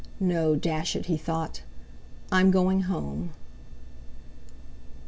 "No, dash it!" he thought, "I'm going home!"